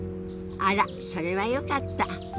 あらそれはよかった。